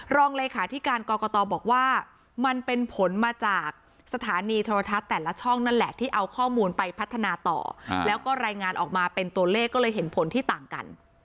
รองเลขาธิการกรกตบอกว่ามันเป็นผลมาจากสถานีโทรทัศน์แต่ละช่องนั่นแหละที่เอาข้อมูลไปพัฒนาต่อแล้วก็รายงานออกมาเป็นตัวเลขก็เลยเห็นผลที่ต่างกัน